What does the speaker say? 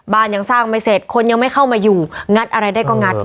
ยังสร้างไม่เสร็จคนยังไม่เข้ามาอยู่งัดอะไรได้ก็งัด